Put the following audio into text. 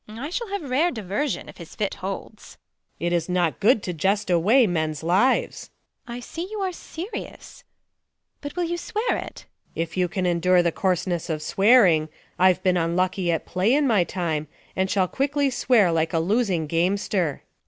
Beat. I shall have rare diversion if his fit holds. Luc. It is not good to jest away men's lives. Beat. I see you are serious : but will you swear this? Luc. If you can endure the coarseness of swearing ; I've been unlucky at play in my time, And shall quickly swear like a losing gamester.